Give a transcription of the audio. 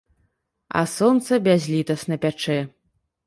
А сонца бязлітасна пячэ.